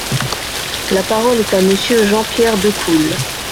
La parole est à Monsieur Jean-Pierre Decool.